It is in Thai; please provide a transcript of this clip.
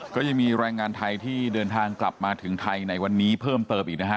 ก็ยังมีแรงงานไทยที่เดินทางกลับมาถึงไทยในวันนี้เพิ่มเติมอีกนะฮะ